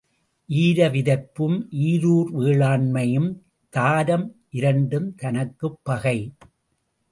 ஈர விதைப்பும் ஈரூர் வேளாண்மையும் தாரம் இரண்டும் தனக்குப் பகை.